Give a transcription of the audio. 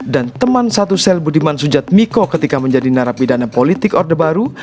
dan teman satu sel budiman sujat miko ketika menjadi narapidana politik orde baru